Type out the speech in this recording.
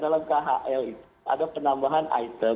dalam khl itu ada penambahan item